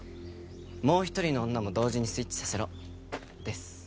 「もう一人の女も同時にスイッチさせろ」です。